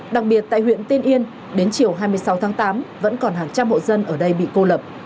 đặc biệt tại huyện tiên yên đến chiều hai mươi sáu tháng tám vẫn còn hàng trăm hộ dân ở đây bị cô lập